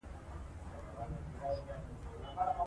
تعلیم یافته مور د حفظ الصحې اصول پیژني۔